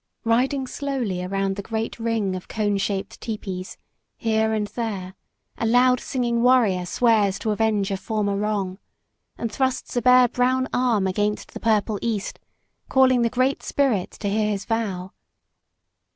Riding slowly around the great ring of cone shaped tepees, here and there, a loud singing warrior swears to avenge a former wrong, and thrusts a bare brown arm against the purple east, calling the Great Spirit to hear his vow.